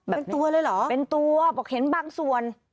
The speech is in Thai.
เป็นตัวเลยเหรอเป็นตัวบอกเห็นบางส่วน